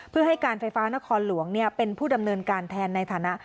เพื่อให้การไฟฟ้านครหลวงเป็นผู้ดำเนินการแทนในฐานะ